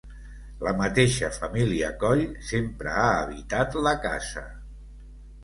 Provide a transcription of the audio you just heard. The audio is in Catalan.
La mateixa família Coll sempre ha habitat la casa.